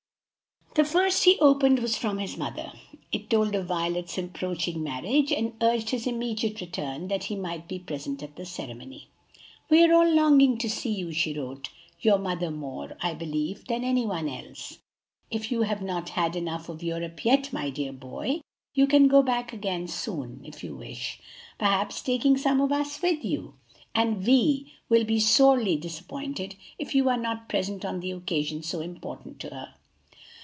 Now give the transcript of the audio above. The first he opened was from his mother. It told of Violet's approaching marriage and urged his immediate return that he might be present at the ceremony. "We are all longing to see you," she wrote, "your mother more, I believe, than any one else. If you have not had enough of Europe yet, my dear boy, you can go back again soon, if you wish, perhaps taking some of us with you. And Vi will be sorely disappointed if you are not present on the occasion so important to her."